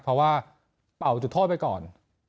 เพราะว่าเป่าจุดโทษไปก่อน